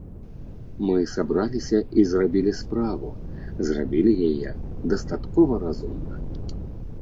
Мы сабраліся і зрабілі справу, зрабілі яе дастаткова разумна.